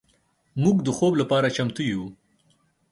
موږ د خوب لپاره چمتو شو.